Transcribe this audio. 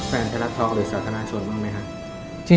แฟนแฮลล่าทอคหรือสาธาราชนบ้างไหมครับ